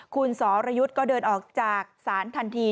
คุณสรยุทธ์ก็เดินออกจากศาลทันที